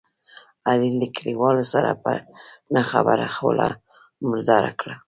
علي له کلیوالو سره په نه خبره خوله مرداره کړله.